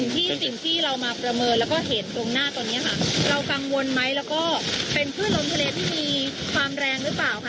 สิ่งที่สิ่งที่เรามาประเมินแล้วก็เห็นตรงหน้าตอนนี้ค่ะเรากังวลไหมแล้วก็เป็นคลื่นลมทะเลที่มีความแรงหรือเปล่าค่ะ